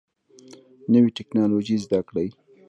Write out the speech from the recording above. نوي ټکنالوژي زده کړئ